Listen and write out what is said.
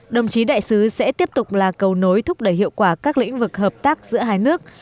đồng chí đại sứ sẽ tiếp tục là cầu nối thúc đẩy hiệu quả các lĩnh vực hợp tác giữa hai nước